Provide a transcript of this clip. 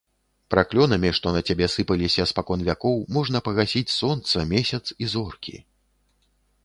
Праклёнамі, што на цябе сыпаліся спакон вякоў, можна пагасіць сонца, месяц і зоркі.